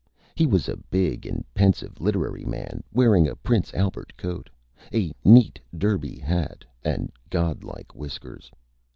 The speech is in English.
He was a big and pensive Literary Man, wearing a Prince Albert coat, a neat Derby Hat and godlike Whiskers.